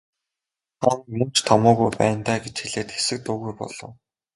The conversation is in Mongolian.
Та нар мөн ч томоогүй байна даа гэж хэлээд хэсэг дуугүй болов.